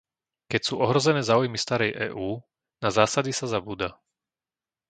Keď sú ohrozené záujmy starej EÚ, na zásady sa zabúda.